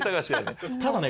ただね